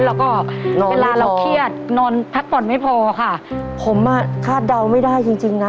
แล้วก็เวลาเราเครียดนอนพักผ่อนไม่พอค่ะผมอ่ะคาดเดาไม่ได้จริงจริงนะ